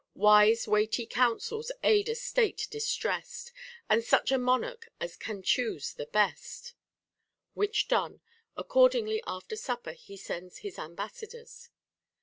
... Wise weighty counsels aid a state distress'd, And such a monarch as can choose the hest ; which done, accordingly after supper he sends his ambas sadors.